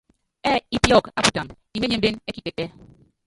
Ɛ́ɛ ípíɔk á putámb, iményémbén ɛ́ kikɛtɛ́.